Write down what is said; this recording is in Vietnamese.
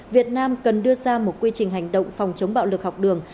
việt nam cần đưa ra một quy trình hành động phòng chống bạo lực học đường